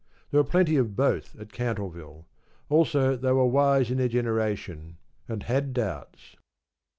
There were plenty of both at Cantleville. Also they were wise in their generation, and had doubts.